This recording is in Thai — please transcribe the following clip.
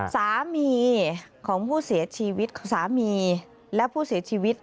สามีของผู้เสียชีวิตสามีและผู้เสียชีวิต